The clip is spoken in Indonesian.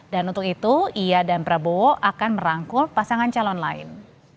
dan untuk itu ia dan prabowo akan merangkul pasangan calon lain